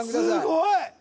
すごい！